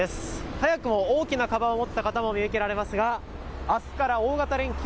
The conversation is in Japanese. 早くも大きなかばんを持った方も見受けられますが、あすから大型連休。